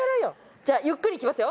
じゃあゆっくりいきますよ。